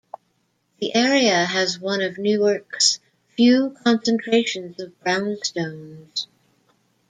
The area has one of Newark's few concentrations of brownstones.